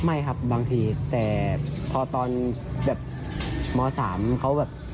ไม่ครับบางทีแต่พอตอนแบบม๓เขาแบบ